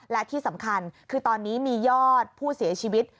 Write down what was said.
และที่สำคัญคือตอนนี้มียอดผู้เสียชีวิต